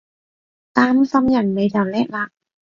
擔心人你就叻喇！